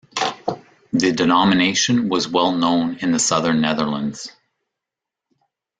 The denomination was well known in the Southern Netherlands.